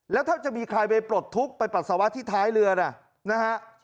แล้วถ้าจะมีใครไปปลดทุกข์ไปปัสสาวะที่ท้ายเรือน่ะนะฮะ